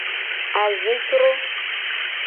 Azicro.